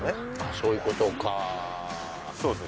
そういうことかそうですね